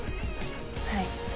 はい。